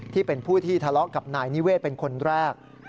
ที่เป็นผู้ที่ทะเลาะกับนายนิเวศเป็นคนแรก